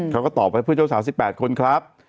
เขาก็ตอบไปเพื่อนเจ้าสาว๑๘คนครับ